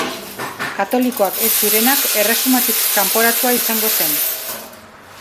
Katolikoak ez zirenak erresumatik kanporatua izango zen.